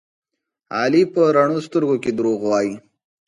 علي په رڼو سترګو کې دروغ وایي.